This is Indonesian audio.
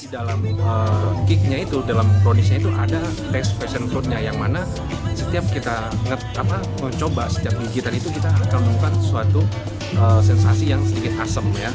dalam kue kreasi dalam browniesnya itu ada teks passion fruitnya yang mana setiap kita mencoba setiap kita menikmati itu kita akan menemukan suatu sensasi yang sedikit asem